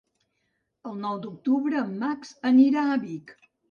El nou d'octubre en Max anirà a Vic.